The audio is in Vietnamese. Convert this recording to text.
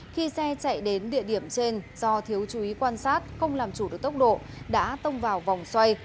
khi xe chạy đến địa điểm trên do thiếu chú ý quan sát không làm chủ được tốc độ đã tông vào vòng xoay